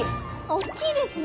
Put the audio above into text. おっきいですね。